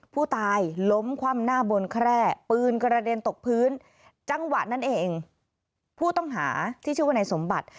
ผู้ตายล้มคว่ำหน้าบนแคร่ปืนกระเด็นตกพื้นจังหวะนั้นเองผู้ต้องหาที่ชื่อว่านายสมบัติ